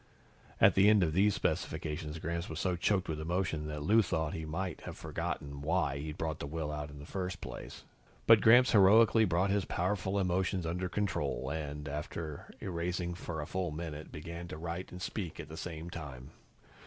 At the end of these specifications, Gramps was so choked with emotion that Lou thought he might have forgotten why he'd brought out the will in the first place. But Gramps heroically brought his powerful emotions under control and, after erasing for a full minute, began to write and speak at the same time.